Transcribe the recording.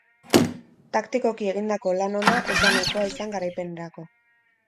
Taktikoki egindako lan ona ez da nahikoa izan garaipenerako.